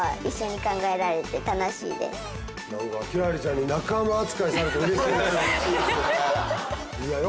何か輝星ちゃんに仲間扱いされてうれしいです。